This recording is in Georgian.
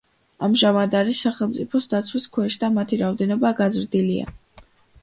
ამჟამად არის სახელმწიფოს დაცვის ქვეშ და მათი რაოდენობა გაზრდილია.